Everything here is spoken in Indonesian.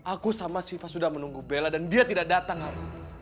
aku sama siva sudah menunggu bella dan dia tidak datang hari